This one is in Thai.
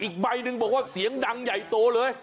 อีกใบหนึ่งบอกว่าเสียงดังใหญ่โตเลย